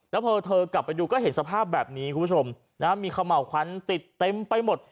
แล้วพอเธอกลับไปดูก็เห็นสภาพแบบนี้คุณผู้ชมนะมีเขม่าวควันติดเต็มไปหมด